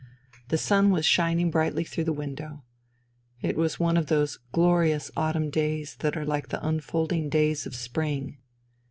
The sun was shining brightly through the window. It was one of those glorious autumn days that are like the unfold ing days of spring.